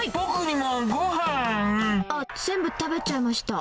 全部食べちゃいました。